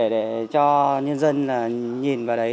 để cho nhân dân nhìn vào đấy